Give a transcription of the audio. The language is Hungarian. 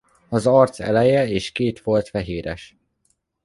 Az arc eleje és két folt fehéres.